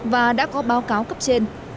và đã có báo cáo cấp trên